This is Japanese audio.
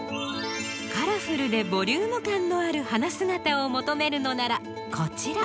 カラフルでボリューム感のある花姿を求めるのならこちら。